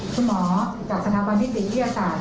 คุณหมอจากสนับวันที่๔พิทยาศาสตร์